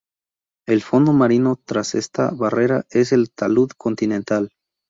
El fondo marino tras esta barrera es el "talud continental".